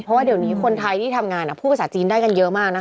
เพราะว่าเดี๋ยวนี้คนไทยที่ทำงานพูดภาษาจีนได้กันเยอะมากนะคะ